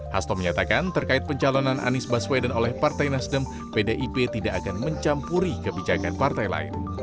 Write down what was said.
hasto menyatakan terkait pencalonan anies baswedan oleh partai nasdem pdip tidak akan mencampuri kebijakan partai lain